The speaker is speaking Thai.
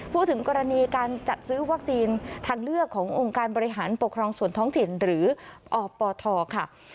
พูดถึงกรณีการจัดซื้อวัคซีนทางเลือกขององค์การบริหารปกครองส่วนท้องถิ่นหรืออปทค่ะ